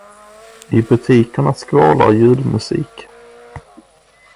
I butikerna skvalar julmusik.